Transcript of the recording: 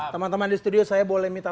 teman teman di studio saya boleh minta